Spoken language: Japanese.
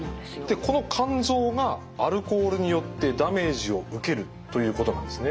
でこの肝臓がアルコールによってダメージを受けるということなんですね。